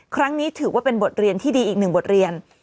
ครั้งนี้ถือว่าเป็นบทเรียนที่ดีอีกหนึ่งบทเรียน